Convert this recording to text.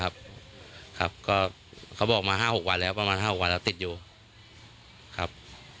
ครับครับก็เขาบอกมา๕๖วันแล้วประมาณ๕๖วันแล้วติดอยู่ครับ